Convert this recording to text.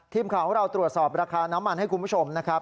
ทีมข่าวของเราตรวจสอบราคาน้ำมันให้คุณผู้ชมนะครับ